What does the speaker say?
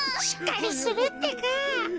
しっかりするってか。